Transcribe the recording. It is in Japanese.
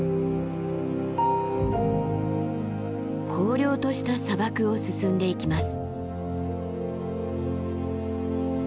荒涼とした砂漠を進んでいきます。